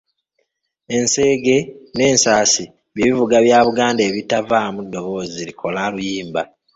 Enseege n’Ensaasi bye'bivuga bya Buganda ebitavaamu ddoboozi likola luyimba.